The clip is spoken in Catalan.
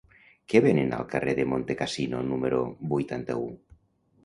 Què venen al carrer de Montecassino número vuitanta-u?